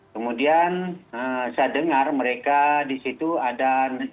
kemudian saya dengar mereka di situ ada